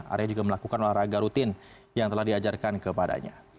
arya juga melakukan olahraga rutin yang telah diajarkan kepadanya